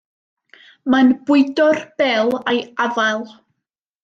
Mae'n bwydo'r bêl o'i afael.